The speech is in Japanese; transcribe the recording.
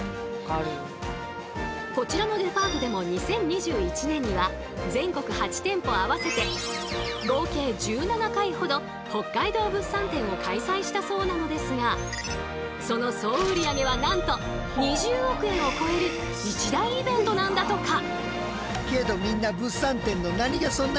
こちらのデパートでも２０２１年には全国８店舗合わせて合計１７回ほど北海道物産展を開催したそうなのですがその総売り上げはなんと２０億円を超える一大イベントなんだとか！